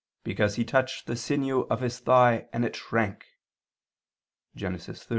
. because he touched the sinew of his thigh and it shrank" (Gen. 32:32).